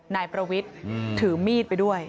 นายประวิทย์ถือมีดไปด้วย